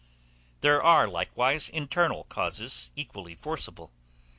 There are likewise internal causes equally forcible.